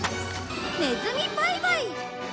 ネズミバイバイ！